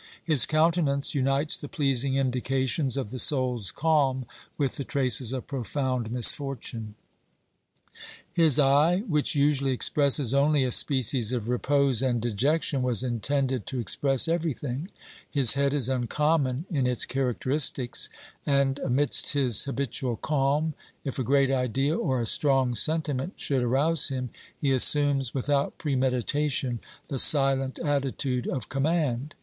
His countenance unites the pleasing indications of the soul's calm with the traces of profound misfortune. OBERMANN 351 His eye, which usually expresses only a species of repose and dejection, was intended to express everything ; his head is uncommon in its characteristics, and amidst his habitual calm, if a great idea or a strong sentiment should arouse him, he assumes without premeditation the silent attitude of command.